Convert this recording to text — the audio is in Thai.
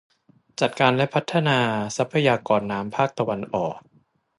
จัดการและพัฒนาทรัพยากรน้ำภาคตะวันออก